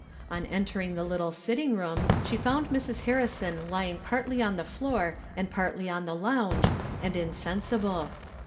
On entering the little sitting room, she found Mrs. Harrison lying partly on the floor and partly on the lounge, and insensible.